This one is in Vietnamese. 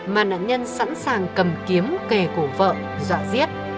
mà nạn nhân sẵn sàng cầm kiếm kề cổ vợ dọa giết